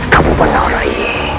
kamu benar rai